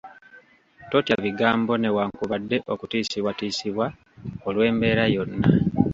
Totya bigambo newankubadde okutiisibwatisibwa olw’embeera yonna.